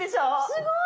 すごい。